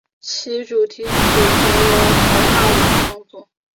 其主题曲则由陶大伟创作。